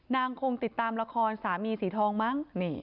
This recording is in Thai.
คงติดตามละครสามีสีทองมั้ง